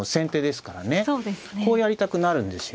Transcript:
こうやりたくなるんですよ。